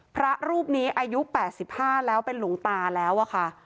พระรูปนี้อายุ๘๕แล้วเป็นหลวงตาแล้วอะค่ะ